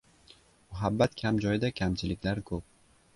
• Muhabbat kam joyda kamchiliklar ko‘p.